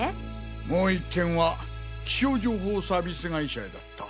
もう１件は気象情報サービス会社へだった。